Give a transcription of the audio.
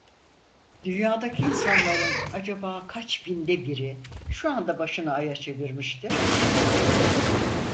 Dünyadaki insanların acaba kaç binde biri şu anda başını aya çevirmiştir?